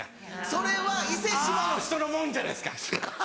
それは伊勢志摩の人のものじゃないですか。